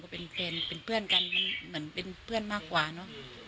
อืมสมัยเรียนประถมก็เป็นเพื่อนกันเหมือนเป็นเพื่อนมากกว่าเนอะ